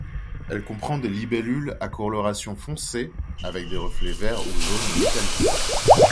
Elle comprend des libellules à coloration foncée avec des reflets verts ou jaunes métalliques.